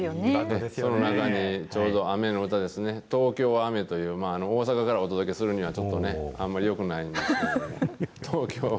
その中にちょうど雨の歌ですね、東京は雨という、大阪からお届けするにはちょっとね、あんまりよくないんですけれども。